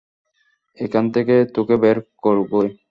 এখান থেকে তোকে বের করবোই!